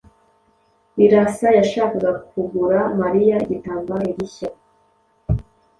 Birasa yashakaga kugura Mariya igitambaro gishya.